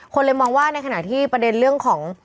เลยมองว่าในขณะที่ประเด็นเรื่องของ